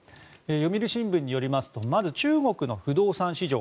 読売新聞によりますとまず中国の不動産市場